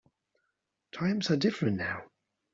Times are different now.